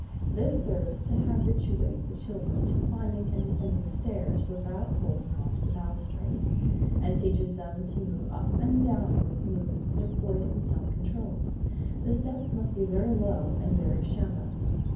This serves to habituate the children to climbing and descending stairs without holding on to the balustrade, and teaches them to move up and down with movements that are poised and self controlled. The steps must be very low and very shallow.